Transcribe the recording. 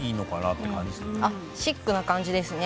色合いがシックな感じですね。